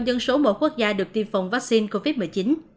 bốn mươi dân số một quốc gia được tiêm phòng vaccine covid một mươi chín